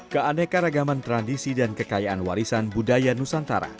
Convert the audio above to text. keanekaragaman tradisi dan kekayaan warisan budaya nusantara